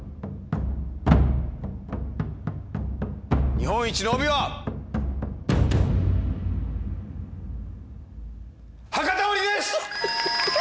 日本一の帯は博多織です！